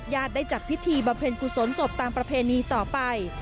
ยาดได้จากพิธีบำเพ็ญฝุดสนศพตามประเพณีต่อไป